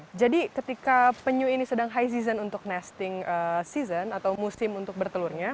ya jadi ketika penyu ini sedang high season untuk nasting season atau musim untuk bertelurnya